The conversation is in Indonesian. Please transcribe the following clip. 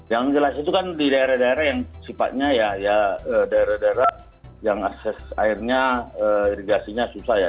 yang jelas itu kan di daerah daerah yang sifatnya ya daerah daerah yang akses airnya irigasinya susah ya